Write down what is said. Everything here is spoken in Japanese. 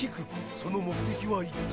その目的は一体。